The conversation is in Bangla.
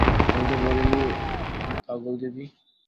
আমি তো বলিনি পাগলদিদি।